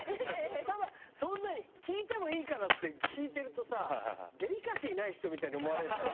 ただそんなに、聞いてもいいからなんていって、聞いてるとさ、デリカシーない人みたいに思われるから。